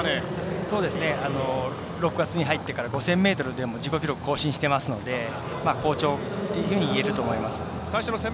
６月に入って５０００ｍでも自己記録更新しているので好調というふうにいえると思います。